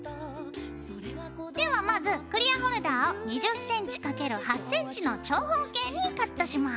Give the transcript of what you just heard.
ではまずクリアホルダーを２０ｃｍ×８ｃｍの長方形にカットします。